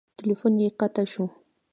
تیلفون یې قطع شو.